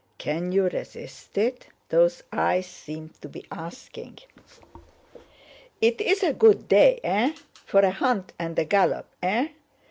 "Can you resist it?" those eyes seemed to be asking. "It's a good day, eh? For a hunt and a gallop, eh?"